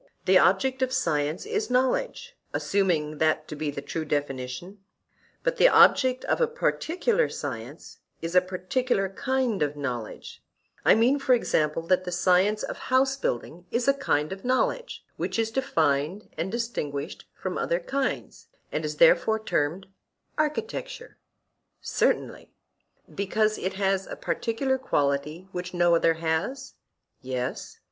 The object of science is knowledge (assuming that to be the true definition), but the object of a particular science is a particular kind of knowledge; I mean, for example, that the science of house building is a kind of knowledge which is defined and distinguished from other kinds and is therefore termed architecture. Certainly. Because it has a particular quality which no other has? Yes.